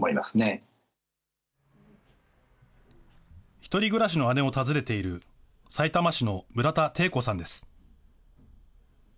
１人暮らしの姉を訪ねている、さいたま市の村田貞子さんです。